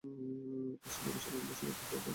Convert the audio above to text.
আসিলেও, বেশিক্ষণ বসিবার তাহার উপায় নাই।